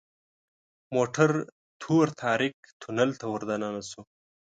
موټر تور تاریک تونل ته وردننه شو .